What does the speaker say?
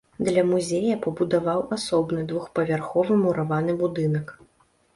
Для музея пабудаваў асобны двухпавярховы мураваны будынак.